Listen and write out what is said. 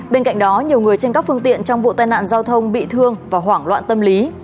bên cạnh đó nhiều người trên các phương tiện trong vụ tai nạn giao thông bị thương và hoảng loạn tâm lý